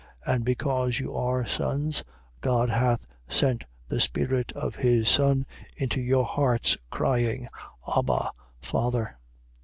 4:6. And because you are sons, God hath sent the Spirit of his Son into your hearts, crying: Abba, Father.